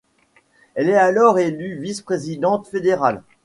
Elle est alors élue vice-présidente fédérale.